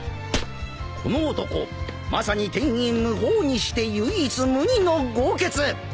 この男まさに天衣無縫にして唯一無二の豪傑！